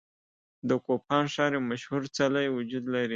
د کوپان ښار یو مشهور څلی وجود لري.